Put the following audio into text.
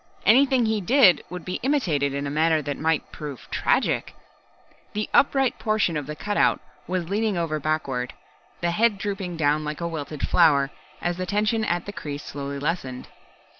Anything he did would be imitated in a manner that might prove tragic. The upright portion of the cutout was leaning over backward, the head drooping down like a wilted flower, as the tension at the crease slowly lessened.